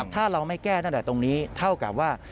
ถ้าเราไม่แก้ตั้งแต่ตรงนี้เท่ากับว่า